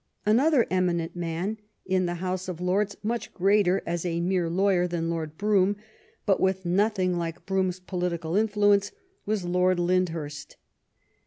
Another eminent man in the House of Lords, much greater as a mere lawyer than Lord Brougham, but with nothing like ^oed lvnukurst Brougham's political influence, was Lord Lyndhurst.